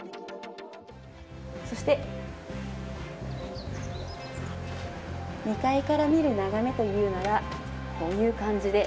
そして２階から見る眺めというのがこういう感じで。